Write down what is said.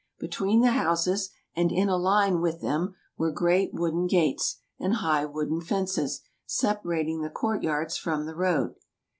Between the houses, and in a line with them, were great wooden gates and high wooden fences, separating the court yards from the road.